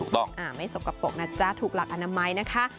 ต้องไม่สกปรกนะจ๊ะถูกหลักอนามัยนะคะ